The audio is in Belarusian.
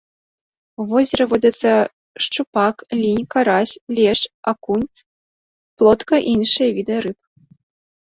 У возеры водзяцца шчупак, лінь, карась, лешч, акунь, плотка і іншыя віды рыб.